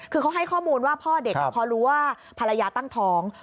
คือเขาให้ข้อมูลว่าพ่อเด็กพอรู้ว่าภรรยาตั้งท้อง